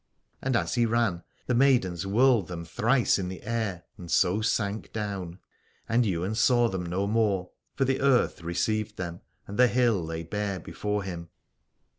And as he ran the maidens whirled them thrice into the air, and so sank down : and Ywain saw them no more, for the earth received them, and the hill lay bare before him.